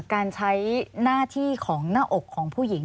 การใช้หน้าที่ของหน้าอกของผู้หญิง